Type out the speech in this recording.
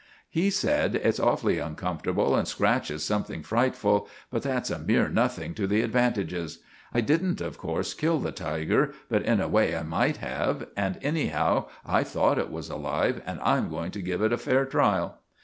He said, "It's awfully uncomfortable, and scratches something frightful, but that's a mere nothing to the advantages. I didn't, of course, kill the tiger, but in a way I might have; and, anyhow, I thought it was alive; and I'm going to give it a fair trial."